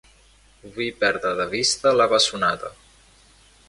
Vull perdre de vista la bessonada.